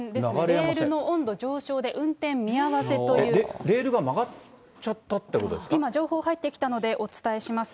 レールの温度上昇で、運転見合わレールが曲がっちゃったって今、情報入ってきたので、お伝えします。